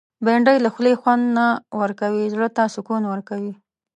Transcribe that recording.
بېنډۍ له خولې خوند نه ورکوي، زړه ته سکون ورکوي